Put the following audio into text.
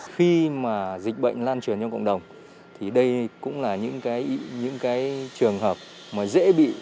khi mà dịch bệnh lan truyền trong cộng đồng thì đây cũng là những cái trường hợp mà dễ bị